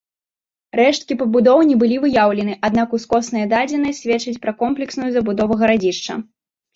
Рэшткі пабудоў не былі выяўлены, аднак ускосныя дадзеныя сведчаць пра комплексную забудову гарадзішча.